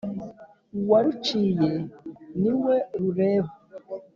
uwâruciye niwe rureba